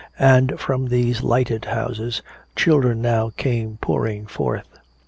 And from these lighted houses children now came pouring forth.